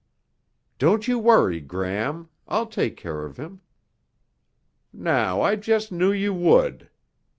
"Don't you worry, Gram. I'll take care of him." "Now I just knew you would!"